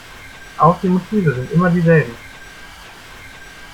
Auch die Motive sind immer dieselben.